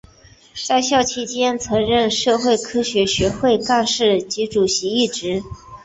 在校期间曾任社会科学学会干事及主席一职。